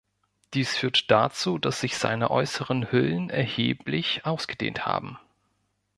Dies führt dazu, dass sich seine äußeren Hüllen erheblich ausgedehnt haben.